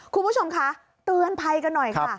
คุณผู้ชมคะเตือนภัยกันหน่อยค่ะ